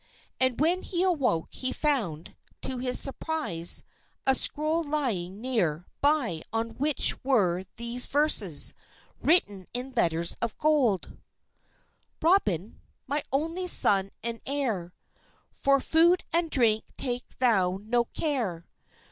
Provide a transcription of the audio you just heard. And when he awoke, he found, to his surprise, a scroll lying near by on which were these verses, written in letters of gold: "_Robin, my only son and heir, For food and drink take thou no care.